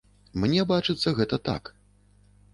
Мне бачыцца гэта так.